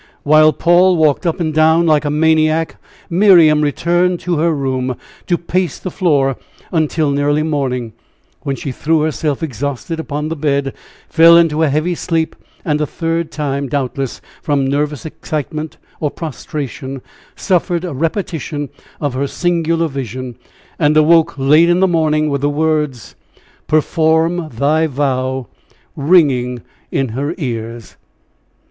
While Paul walked up and down, like a maniac, Miriam returned to her room to pace the floor until nearly morning, when she threw herself, exhausted, upon the bed, fell into a heavy sleep, and a third time, doubtless from nervous excitement or prostration, suffered a repetition of her singular vision, and awoke late in the morning, with the words, "perform thy vow," ringing in her ears.